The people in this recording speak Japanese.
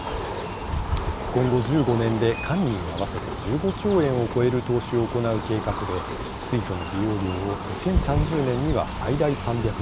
今後１５年で官民合わせて１５兆円を超える投資を行う計画で水素の利用量を２０３０年には最大３００万トン